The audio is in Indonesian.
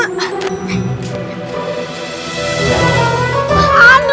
aduh perut aku sakit nih